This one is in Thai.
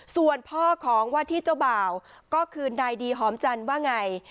ส่วนพ่อของว่าที่เจ้าบ่าวก็คือนายดีหอมจันทร์ว่าไง